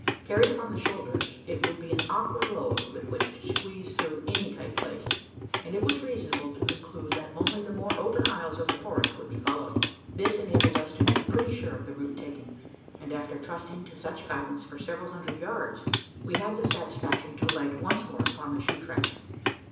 Carried upon the shoulders, it would be an awkward load with which to squeeze through any tight place; and it was reasonable to conclude that only the more open aisles of the forest would be followed. This enabled us to make pretty sure of the route taken; and, after trusting to such guidance for several hundred yards, we had the satisfaction to light once more upon the shoe tracks.